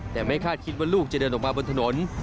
แต่ไม่คาดคิดว่าลูกจะเดินออกมาบนถนน